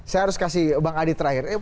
saya harus kasih bang adi terakhir